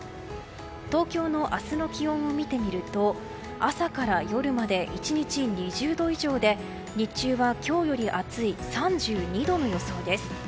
東京の明日の気温を見てみると朝から夜まで、１日２０度以上で日中は今日より暑い３２度の予想です。